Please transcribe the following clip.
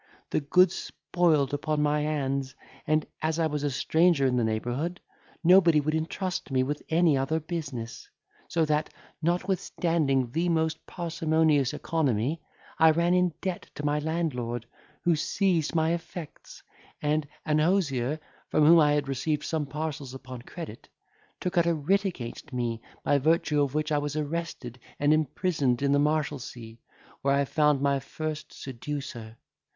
The goods spoiled upon my hands, and, as I was a stranger in the neighbourhood, nobody would intrust me with any other business. So that, notwithstanding the most parsimonious economy, I ran in debt to my landlord, who seized my effects; and an hosier, from whom I had received some parcels upon credit, took out a writ against me, by virtue of which I was arrested and imprisoned in the Marshalsea, where I found my first seducer.